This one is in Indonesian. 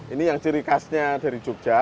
ini yang ciri khasnya dari jogja